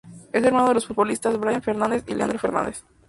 Es hermano de los futbolistas Brian Fernández y Leandro Fernández.